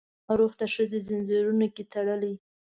روح د ښځې ځنځیرونو کې تړلی